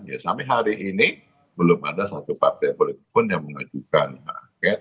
ya sampai hari ini belum ada satu partai politik pun yang mengajukan hak angket